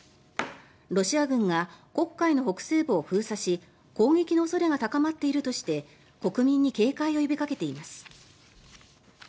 ロシア軍が黒海の北西部を封鎖し攻撃の恐れが高まっているとして国民に警戒を呼びかけています。